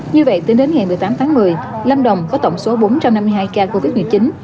như vậy tính đến ngày một mươi tám tháng một mươi lâm đồng có tổng số bốn trăm năm mươi hai ca covid một mươi chín